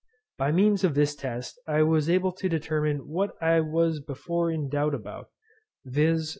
By means of this test I was able to determine what I was before in doubt about, viz.